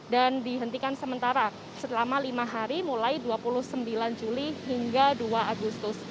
dan dihentikan sementara selama lima hari mulai dua puluh sembilan juli hingga dua agustus